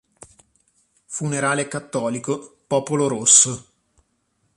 Funerale cattolico, popolo rosso".